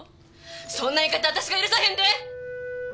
そんな言い方私が許さへんで！